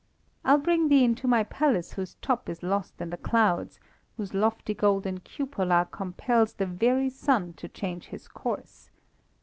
I'll bring thee into my palace whose top is lost in the clouds, whose lofty golden cupola compels the very sun to change his course.